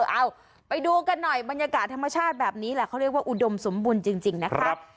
เอาไปดูกันหน่อยบรรยากาศธรรมชาติแบบนี้แหละเขาเรียกว่าอุดมสมบูรณ์จริงนะครับ